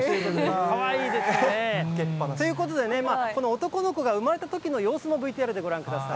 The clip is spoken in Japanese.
かわいいですね。ということでね、この男の子が産まれたときの様子もＶＴＲでご覧ください。